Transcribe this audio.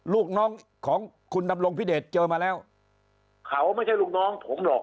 ลูกน้องของคุณดำรงพิเดชเจอมาแล้วเขาไม่ใช่ลูกน้องผมหรอก